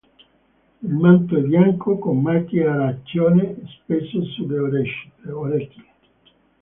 Il manto è bianco con macchie arancione, spesso sulle orecchie.